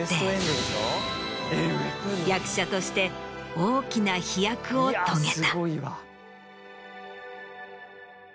役者として大きな飛躍を遂げた。